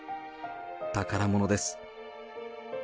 宝物です。